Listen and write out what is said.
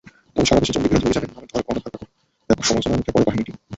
তবে সারা দেশে জঙ্গিবিরোধী অভিযানের নামে গণধরপাকড়ে ব্যাপক সমালোচনার মুখে পড়ে বাহিনীটি।